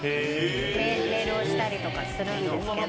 メールをしたりとかするんですけど。